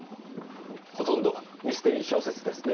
ほとんどミステリー小説ですね。